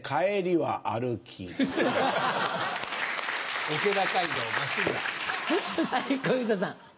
はい小遊三さん。